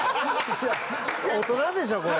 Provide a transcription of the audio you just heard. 大人でしょこれ。